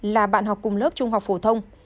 là bạn học cùng lớp trung học phổ thông